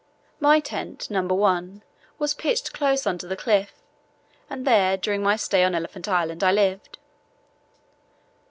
My tent, No. 1, was pitched close under the cliff, and there during my stay on Elephant Island I lived.